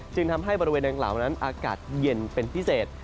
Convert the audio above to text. จึงทำให้บริเวณดังกล่าวนั้นอากาศเย็นเป็นพิเศษ